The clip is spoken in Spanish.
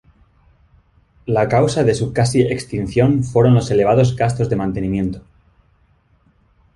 La causa de su casi extinción fueron los elevados gastos de mantenimiento.